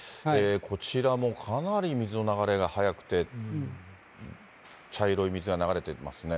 こちらもかなり水の流れが早くて、茶色い水が流れてますね。